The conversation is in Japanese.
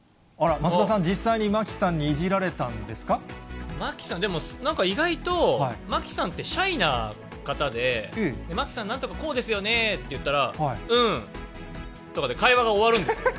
増田さん、実際に真木真木さん、でも意外と真木さんってシャイな方で、真木さん、なんとかこうですよねって言ったら、うんとかで、会話が終わるんですよ。